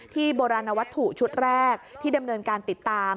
โบราณวัตถุชุดแรกที่ดำเนินการติดตาม